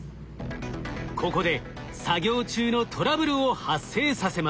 ここで作業中のトラブルを発生させます。